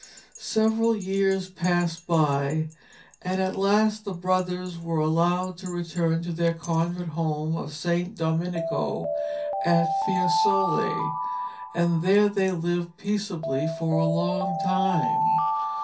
Several years passed by, and at last the brothers were allowed to return to their convent home of San Dominico at Fiesole, and there they lived peaceably for a long time.